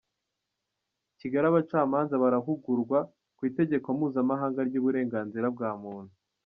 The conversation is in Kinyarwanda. Kigali Abacamanza barahugurwa ku itegeko mpuzamahanga ry’uburenganzira bwa muntu